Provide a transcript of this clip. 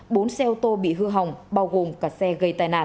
bốn xe ô tô bị hư hỏng bao gồm cả xe gây tai nạn